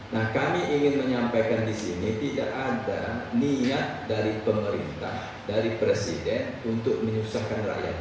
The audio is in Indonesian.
nah kami ingin menyampaikan di sini tidak ada niat dari pemerintah dari presiden untuk menyusahkan rakyat